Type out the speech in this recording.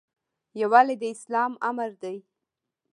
یووالی د اسلام امر دی